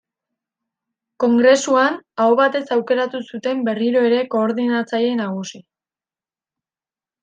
Kongresuan, aho batez aukeratu zuten berriro ere koordinatzaile nagusi.